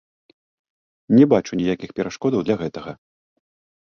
Не бачу ніякіх перашкодаў для гэтага.